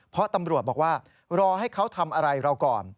เพราะตำรวจบอกว่ารอให้เขาทำอะไรเราก่อน